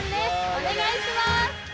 お願いします！